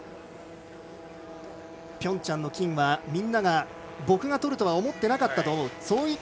ピョンチャンの金はみんなが僕がとるとは思ってなかったと思う。